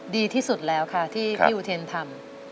ดีที่สุดแล้วค่ะที่พี่อุเทนทำ